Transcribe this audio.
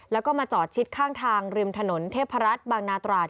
แล้วก็มาจอดชิดข้างทางริมถนนเทพรัฐบางนาตราด